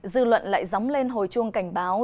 dư luận lại dóng lên hồi chuông cảnh báo